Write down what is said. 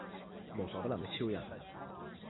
無所不能的超人